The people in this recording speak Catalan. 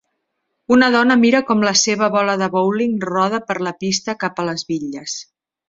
Una dona mira com la seva bola de bowling roda per la pista cap a les bitlles.